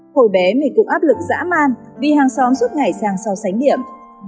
hồi bé mệt cục áp lực dã man vì hàng xóm suốt ngày sang so sánh điểm